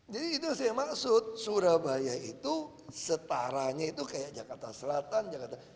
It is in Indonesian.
jadi itu saya maksud surabaya itu setaranya itu kayak jakarta selatan jakarta selatan